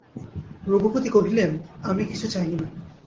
রঘুপতি কহিলেন, আমি কিছু চাহি না।